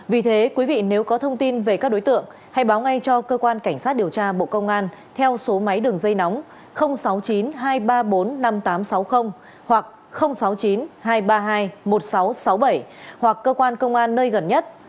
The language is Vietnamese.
vì thế quý vị nếu có thông tin về các đối tượng hãy báo ngay cho cơ quan cảnh sát điều tra bộ công an theo số máy đường dây nóng sáu mươi chín hai trăm ba mươi bốn năm nghìn tám trăm sáu mươi hoặc sáu mươi chín hai trăm ba mươi hai một nghìn sáu trăm sáu mươi bảy hoặc cơ quan công an nơi gần nhất